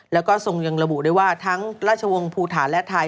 แล้วก็ทรงยังระบุได้ว่าทั้งราชวงศ์ภูฐานและไทย